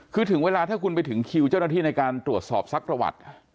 คือถึงเวลาถ้าคุณไปถึงคิวเจ้าหน้าที่ในการตรวจสอบซักประวัติ